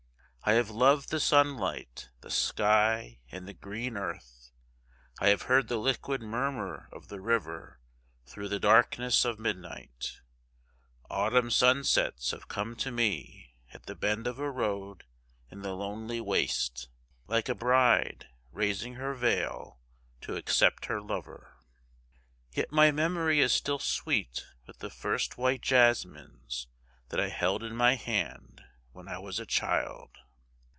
I have loved the sunlight, the sky and the green earth; I have heard the liquid murmur of the river through the darkness of midnight; Autumn sunsets have come to me at the bend of a road in the lonely waste, like a bride raising her veil to accept her lover. Yet my memory is still sweet with the first white jasmines that I held in my hand when I was a child.